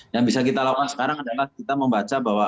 yang bisa kita lakukan sekarang adalah kita membaca bahwa